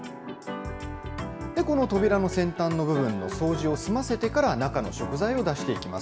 この扉の先端の部分の掃除を済ませてから、中の食材を出していきます。